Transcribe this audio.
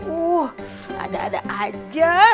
uh ada ada aja